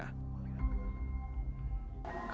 kalau kita lihat ini adalah tempat yang paling menarik